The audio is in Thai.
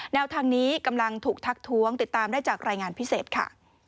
แนวทางนี้กำลังถูกทักท้วงติดตามได้จากรายงานพิเศษค่ะ